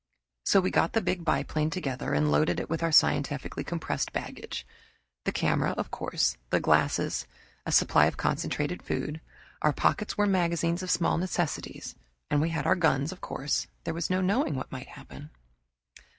So we got the big biplane together and loaded it with our scientifically compressed baggage: the camera, of course; the glasses; a supply of concentrated food. Our pockets were magazines of small necessities, and we had our guns, of course there was no knowing what might happen.